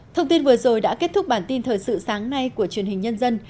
thông tin vừa rồi đã kết thúc bản tin thời sự sáng nay của truyền hình nhân dân